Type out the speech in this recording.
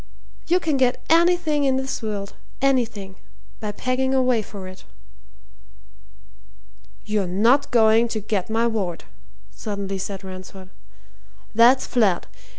You can get anything in this world anything! by pegging away for it." "You're not going to get my ward," suddenly said Ransford. "That's flat!